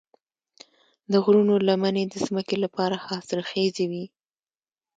د غرونو لمنې د ځمکې لپاره حاصلخیزې وي.